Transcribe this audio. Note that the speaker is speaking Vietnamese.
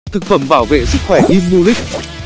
thực phẩm bảo vệ sức khỏe imulit